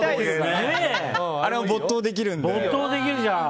あれも没頭できるので。